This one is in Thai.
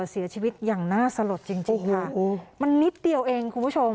เสียชีวิตอย่างน่าสลดจริงจริงค่ะมันนิดเดียวเองคุณผู้ชม